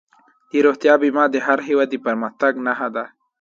د روغتیا بیمه د هر هېواد د پرمختګ نښه ده.